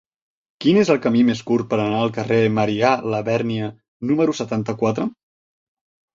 Quin és el camí més curt per anar al carrer de Marià Labèrnia número setanta-quatre?